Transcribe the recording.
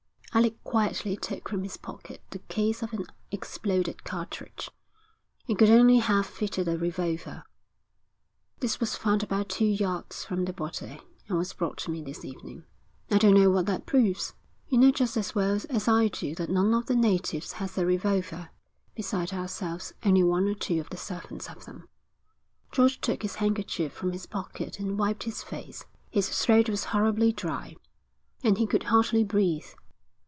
Alec quietly took from his pocket the case of an exploded cartridge. It could only have fitted a revolver. 'This was found about two yards from the body and was brought to me this evening.' 'I don't know what that proves.' 'You know just as well as I do that none of the natives has a revolver. Beside ourselves only one or two of the servants have them.' George took his handkerchief from his pocket and wiped his face. His throat was horribly dry, and he could hardly breathe.